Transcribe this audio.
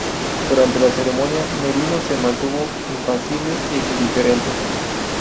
Durante la ceremonia, Merino se mantuvo impasible e indiferente.